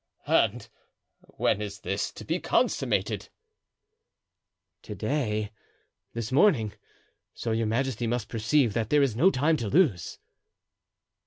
"And when is this to be consummated?" "To day—this morning; so your majesty must perceive there is no time to lose!"